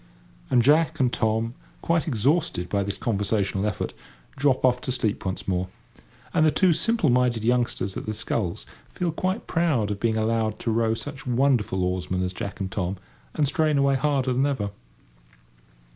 And Jack and Tom, quite exhausted by this conversational effort, drop off to sleep once more. And the two simple minded youngsters at the sculls feel quite proud of being allowed to row such wonderful oarsmen as Jack and Tom, and strain away harder than ever.